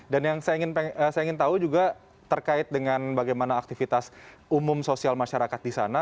dan yang saya ingin tahu juga terkait dengan bagaimana aktivitas umum sosial masyarakat di sana